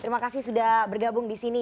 terima kasih sudah bergabung di sini